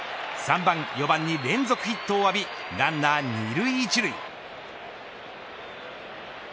３番４番に連続ヒットを浴びランナー２塁１塁。